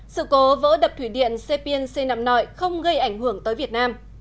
sự cố vỡ đập thủy điện stapiens xây nằm nọi không gây ảnh hưởng tới việt nam